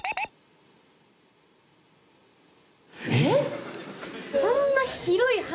えっ！？